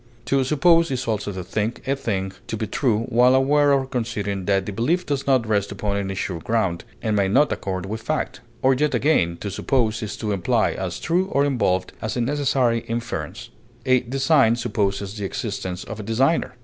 To suppose is also to think a thing to be true while aware or conceding that the belief does not rest upon any sure ground, and may not accord with fact; or yet again, to suppose is to imply as true or involved as a necessary inference; as, design supposes the existence of a designer.